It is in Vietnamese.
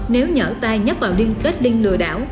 nếu nhở tay nhắc vào liên kết liên lừa đảo